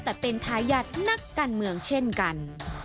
แต่เป็นทายาทนักการเมืองเช่นกัน